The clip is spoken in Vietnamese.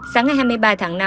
sáng ngày hai mươi ba tháng năm